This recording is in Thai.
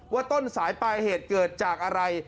ว่าต้นสายปลายเหตุเกิดจากอะไร